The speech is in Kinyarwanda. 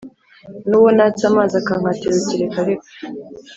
nuwo natse amazi akankatira uti reka reka